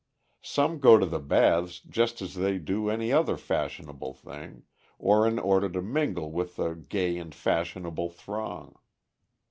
Some go to the baths just as they do any other fashionable thing, or in order to mingle with the gay and fashionable throng.